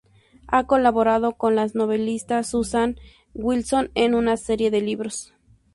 Ha colaborado con la novelista Susan Wilson en una serie de libros.